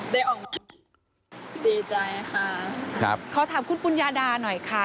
ดีใจค่ะขอถามคุณปุญญาดาหน่อยค่ะ